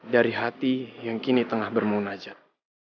dari hati yang kini tengah bermunajat